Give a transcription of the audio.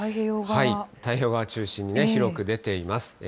太平洋側を中心に広く出ています。